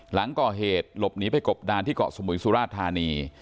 หลังก่อเหตุหลบหนีไปกบดานที่เกาะสมุยสุราชธานี